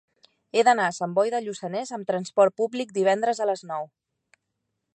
He d'anar a Sant Boi de Lluçanès amb trasport públic divendres a les nou.